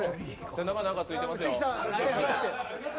背中なんか付いてますよ。